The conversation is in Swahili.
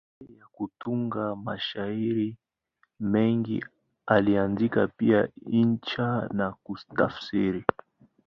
Nje ya kutunga mashairi mengi, aliandika pia insha na kutafsiri.